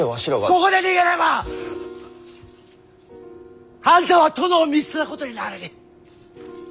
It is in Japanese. ここで逃げればあんたは殿を見捨てたことになるに。